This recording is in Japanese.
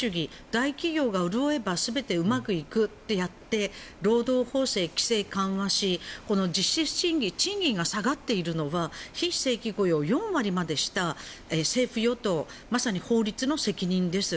大企業が潤えば全てうまくいくでやって労働法制規制緩和し実質賃金賃金が下がっているのは非正規雇用を４割までした政府・与党まさに法律の責任です。